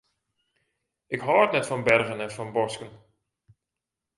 Ik hâld net fan bergen en fan bosken.